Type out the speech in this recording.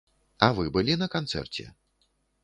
А вы былі на канцэрце?